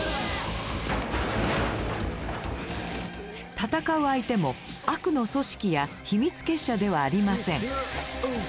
戦う相手も悪の組織や秘密結社ではありません。